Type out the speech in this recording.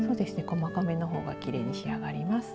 細かめのほうがきれいに仕上がります。